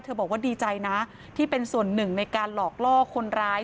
บอกว่าดีใจนะที่เป็นส่วนหนึ่งในการหลอกล่อคนร้าย